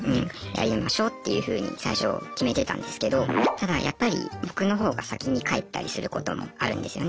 やりましょうっていうふうに最初決めてたんですけどただやっぱり僕の方が先に帰ったりすることもあるんですよね。